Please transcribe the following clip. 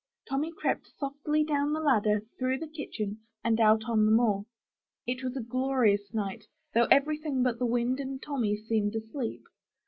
Tommy crept softly down the ladder, through the kitchen and out on the moor. It was a glorious night, though everything but the wind and Tommy seemed asleep.